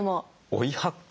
「追い発酵」